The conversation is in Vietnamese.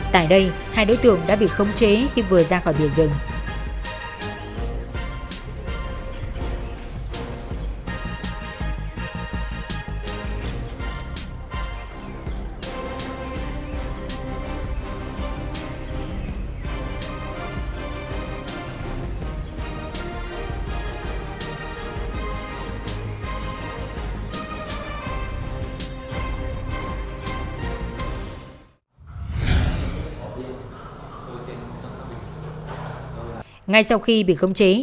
tại đây hai đối tượng đã bị không chế khi vừa ra khỏi biển rừng